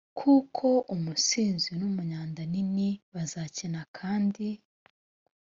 kuko umusinzi n umunyandanini bazakena kandi